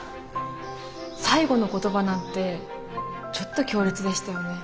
最後の言葉なんてちょっと強烈でしたよね。